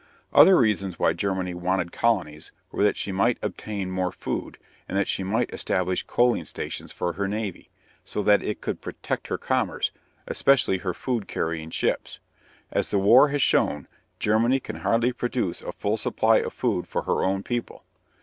Other reasons why Germany wanted colonies were that she might obtain more food, and that she might establish coaling stations for her navy, so that it could protect her commerce, especially her food carrying ships. As the war has shown, Germany can hardly produce a full supply of food for her own people.